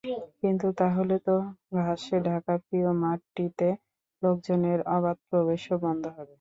কিন্তু তাহলে তো ঘাসে ঢাকা প্রিয় মাঠটিতে লোকজনের অবাধ প্রবেশও বন্ধ হবে।